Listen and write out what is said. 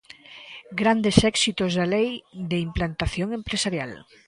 ¡Grandes éxitos da lei de implantación empresarial!